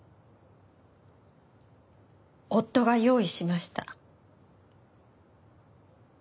夫が用意しました。